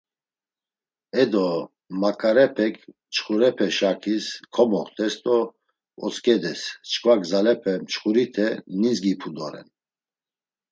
Edo, maǩarepek mçxurepe şakis komoxtes do otzǩedes çkva gzalepe mçxurite nindzgipu doren.